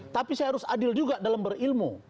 tapi saya harus adil juga dalam berilmu